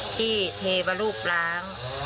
ที่เทวรูปลาง